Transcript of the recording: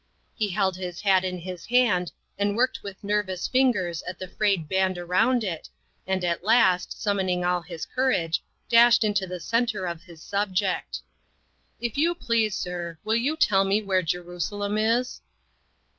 He held his hat in his hand, and worked with nervous fin gers at the frayed band around it, and at last, summoning all his courage, dashed into the centre of his subject : "If you please, sir, will you tell me where Jerusalem is?"